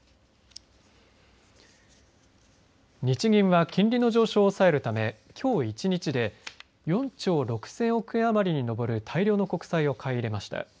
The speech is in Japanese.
日銀は金利の上昇を抑えるためきょう１日で４兆６０００億円余りに上る大量の国債を買い入れました。